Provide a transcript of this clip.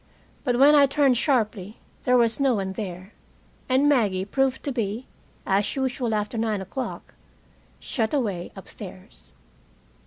But when I turned sharply there was no one there, and Maggie proved to be, as usual after nine o'clock, shut away upstairs.